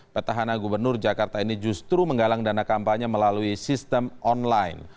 petahana gubernur jakarta ini justru menggalang dana kampanye melalui sistem online